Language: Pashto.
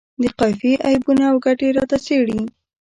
د قافیې عیبونه او ګټې راته څیړي.